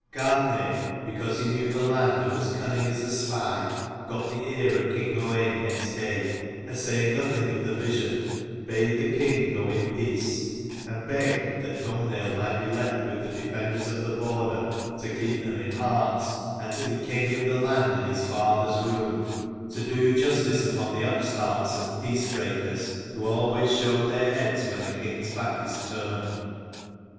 Gartnaidh, because he knew the land, and was cunning as a spy, got the ear of King Owain next day; and saying nothing of the vision, bade the king go in peace, and begged that Domhnaill might be left with the defenders of the border, to keep them in heart, and to be king of the land in his father's room, to do justice upon the upstarts and peacebreakers, who always showed their heads when the king's back is turned.